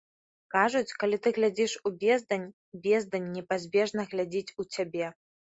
Кажуць, калі ты глядзіш у бездань, бездань непазбежна глядзіць у цябе.